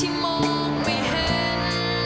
ให้ลูกมาบนห้าง